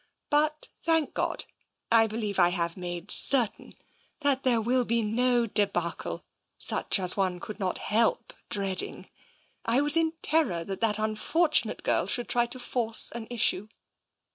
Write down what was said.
" But, thank God, I believe I have made certain that there will be no debacle such as one could not help dreading. I was in terror that that unfortunate girl should try to force an issue."